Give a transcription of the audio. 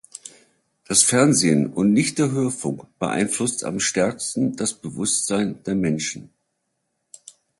Das Fernsehen und nicht der Hörfunk beeinflusst am stärksten das Bewusstsein der Menschen.